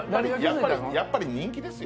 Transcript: やっぱり人気ですよ。